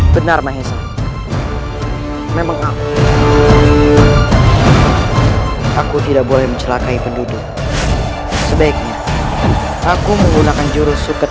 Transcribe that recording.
benar mahesa memang aku aku tidak boleh mencelakai penduduk sebaiknya aku menggunakan jurus suket